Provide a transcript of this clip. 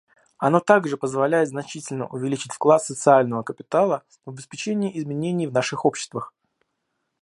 Оно также позволяет значительно увеличить вклад социального капитала в обеспечение изменений в наших обществах.